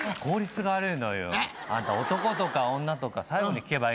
あんた男とか女とか最後に聞けばいいのよ。